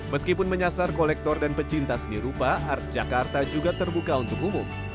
meskipun menyasar kolektor dan pecinta seni rupa art jakarta juga terbuka untuk umum